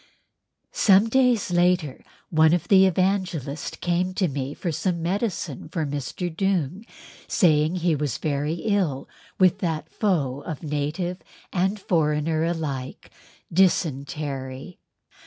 Some days later one of the Evangelists came to me for some medicine for Mr. Doong, saying he was very ill with that foe of native and foreigner alike—dysentery.